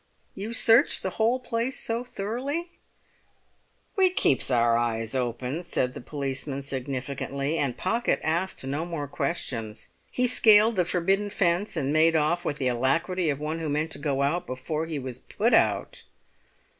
"You search the whole place so thoroughly?" "We keeps our eyes open," said the policeman significantly, and Pocket asked no more questions; he scaled the forbidden fence and made off with the alacrity of one who meant to go out before he was put out.